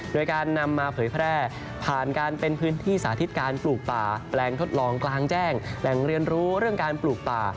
โดยการนำมาเผยแพร่ผ่านการเป็นพื้นที่สาธิตการปลูกป่าแปลงทดลองกลางแจ้งแหล่งเรียนรู้เรื่องการปลูกป่า